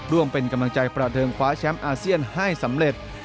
ร่วมเป็นกำลังใจประเทิงคว้าแชมป์อาเซียนให้สำเร็จ